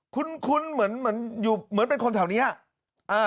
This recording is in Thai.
คุ้นเหมือนเหมือนอยู่เหมือนเป็นคนแถวนี้อ่ะ